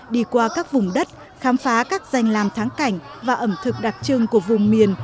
đi qua các vùng đất khám phá các danh làm thắng cảnh và ẩm thực đặc trưng của vùng miền